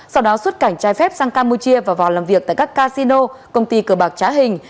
sau đó xuất cảnh trái phép sang campuchia và vào làm việc tại các casino công ty cờ bạc trá hình